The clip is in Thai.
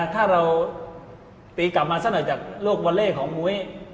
ถ้าเราตีกลับมาสักหน่อยจากรูปวอเลร์ของหมุย๑๒